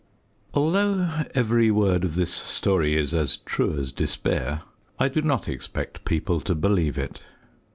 _ Although every word of this story is as true as despair, I do not expect people to believe it.